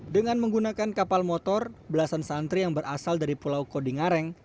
dengan menggunakan kapal motor belasan santri yang berasal dari pulau kodingareng